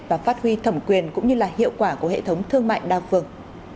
và phát huy thẩm quyền cũng như là hiệu quả của hệ thống thương mại đa phương